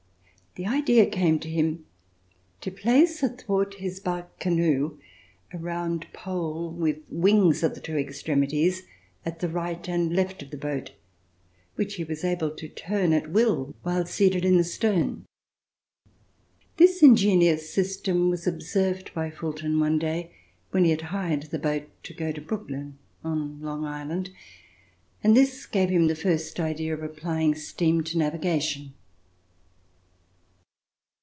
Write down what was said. The idea came to him to place athwart his bark canoe a round pole with wings at the two extremities, at the right and left of the boat, which he was able to turn at will while seated in the stern. This ingenious system was observed by Fulton one day when he had hired the boat to go to Brooklyn on Long Island, and this gave him the first idea of applying steam to navigation.